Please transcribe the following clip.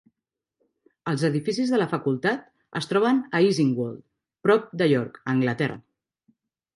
Els edificis de la facultat es troben a Easingworld, prop de York, a Anglaterra.